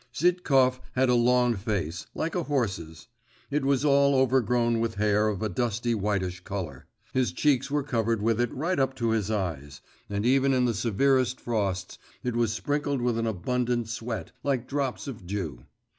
Zhitkov had a long face, like a horse's; it was all overgrown with hair of a dusty whitish colour; his cheeks were covered with it right up to the eyes; and even in the severest frosts, it was sprinkled with an abundant sweat, like drops of dew.